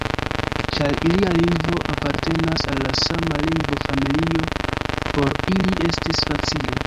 Ĉar ilia lingvo apartenas al la sama lingvofamilio, por ili estis facile.